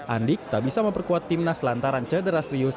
andik tak bisa memperkuat timnas lantaran cedera serius